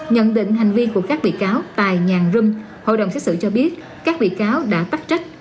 nhận định hành vi của các bị cáo tài nhàng râm hội đồng xét xử cho biết các bị cáo đã tắt trách